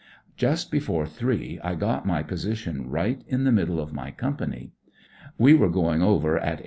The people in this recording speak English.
"Just before three I got my position right in the middle of my company We were going over at 8.